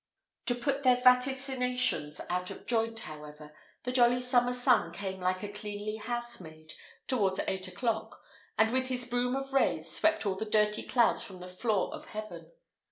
To put their vaticinations out of joint, however, the jolly summer sun came like a cleanly housemaid, towards eight o'clock, and with his broom of rays swept all the dirty clouds from the floor of heaven.